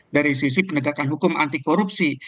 dari sisi penegakan hukum anti korupsi